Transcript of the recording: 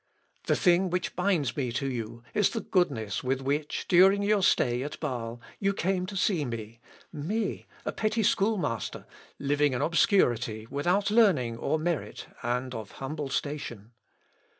The thing which binds me to you is the goodness with which, during your stay at Bâle, you came to see me, me, a petty schoolmaster, living in obscurity without learning or merit, and of humble station!